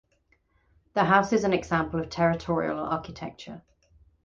The house is an example of Territorial architecture.